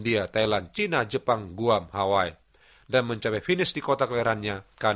dan sehat secara fisik